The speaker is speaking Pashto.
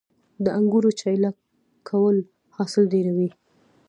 د انګورو چیله کول حاصل ډیروي